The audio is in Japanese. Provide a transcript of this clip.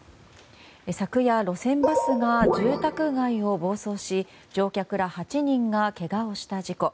昨夜、路線バスが住宅街を暴走し乗客ら８人がけがをした事故。